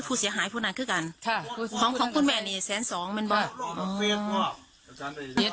ผู้เสียหายผู้หายคือกันคุณแม่หนึ่งแสนสองเป็นบาท